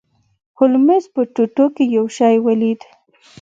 هولمز په ټوټو کې یو شی ولید.